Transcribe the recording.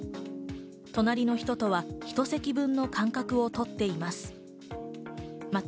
隣の人とは一席分の間隔を取っています。